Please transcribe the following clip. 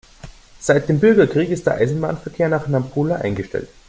Seit dem Bürgerkrieg ist der Eisenbahnverkehr nach Nampula eingestellt.